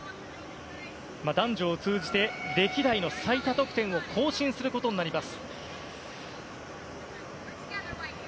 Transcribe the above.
男女を通じて歴代の最多得点を更新することになります。